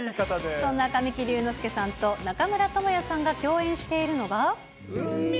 そんな神木隆之介さんと中村倫也さんが共演しているのが。